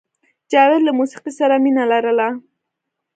جاوید له موسیقۍ سره مینه لرله